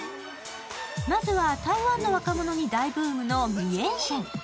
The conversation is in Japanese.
まずは台湾の若者に大ブームのミィエンシェン。